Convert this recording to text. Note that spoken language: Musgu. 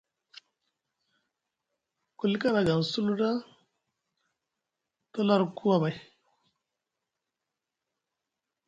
Ku lika nʼagʼaŋ sulu ku tala arku amay/.